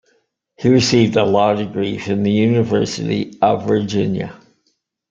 He received a law degree from the University of Virginia.